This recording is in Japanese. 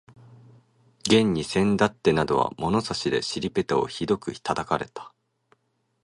現にせんだってなどは物差しで尻ぺたをひどく叩かれた